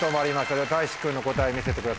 ではたいし君の答え見せてください。